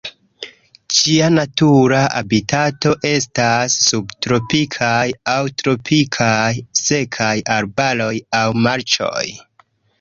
Ĝia natura habitato estas subtropikaj aŭ tropikaj sekaj arbaroj aŭ marĉoj.